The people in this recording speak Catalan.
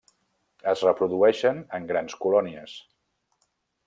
Es reprodueixen en grans colònies.